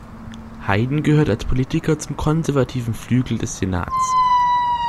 Heyden gehörte als Politiker zum konservativen Flügel des Senats.